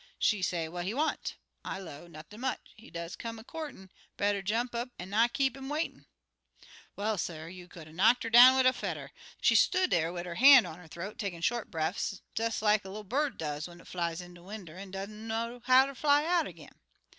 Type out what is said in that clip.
She say, 'What he want?' I low, 'Nothin' much; he does come a courtin'. Better jump up an' not keep 'im waitin'.' "Well, suh, you could 'a' knock'd 'er down wid a fedder. She stood dar wid 'er han' on 'er th'oat takin' short breffs, des like a little bird does when it flies in de winder an' dunner how ter fly out ag'in.